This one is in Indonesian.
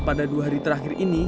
pada dua hari terakhir ini